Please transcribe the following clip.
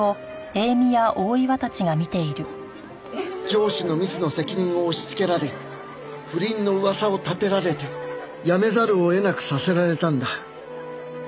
「上司のミスの責任を押しつけられ不倫の噂を立てられて辞めざるを得なくさせられたんだ」